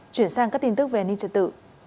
chuyển sang các tin tức về ninh trật tự